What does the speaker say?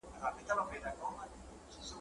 زما دي په یاد وي ستا دي هېر وي ګلي `